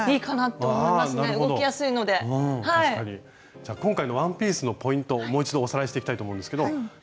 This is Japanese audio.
じゃ今回のワンピースのポイントをもう一度おさらいしていきたいと思うんですけどこちら。